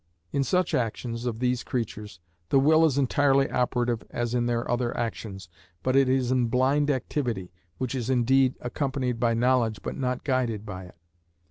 In such actions of these creatures the will is clearly operative as in their other actions, but it is in blind activity, which is indeed accompanied by knowledge but not guided by it.